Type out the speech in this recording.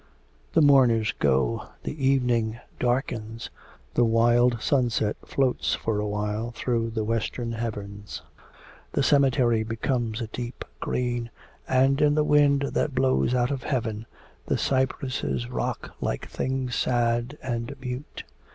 The mourners go; the evening darkens; the wild sunset floats for a while through the western heavens; the cemetery becomes a deep green, and in the wind that blows out of heaven the cypresses rock like things sad and mute.